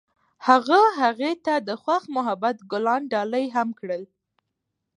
هغه هغې ته د خوښ محبت ګلان ډالۍ هم کړل.